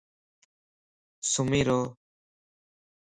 سُمي رَ وَ